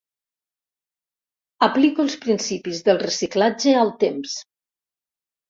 Aplico els principis del reciclatge al temps.